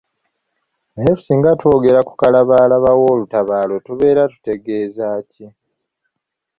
Naye ate singa twogera ku kalabaalaba w'olutabaalo tubeera tutegeeza ki?